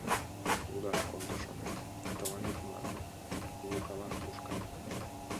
Лудаш кондышым... тыланет, — манын, Лукалан тушка.